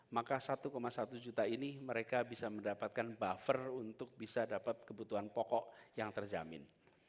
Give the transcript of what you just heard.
maka satu satu juta ini mereka bisa mendapatkan buffer untuk bisa dapat kebutuhan pokok yang terjamin